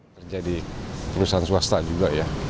saya jadi perusahaan swasta juga ya